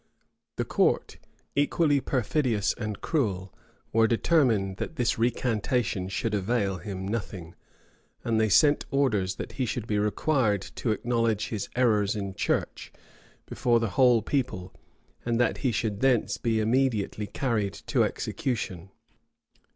The court, equally perfidious and cruel, were determined that this recantation should avail him nothing; and they sent orders that he should be required to acknowledge his errors in church before the whole people, and that he should thence be immediately carried to execution.